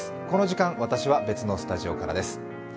この時間、私は別のスタジオからです。